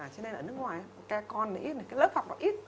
cho nên ở nước ngoài cái con cái lớp học